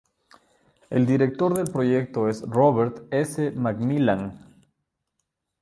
El director del proyecto es Robert S. McMillan.